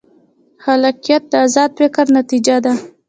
خلاقیت د ازاد فکر نتیجه ده.